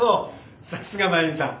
さすが繭美さん。